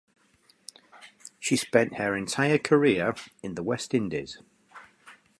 She spent her entire career in the West Indies.